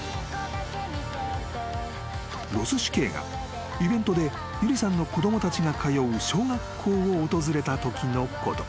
［ロス市警がイベントで有理さんの子供たちが通う小学校を訪れたときのこと］